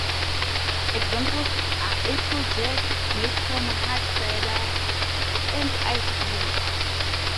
Examples are applejack, made from hard cider, and ice beer.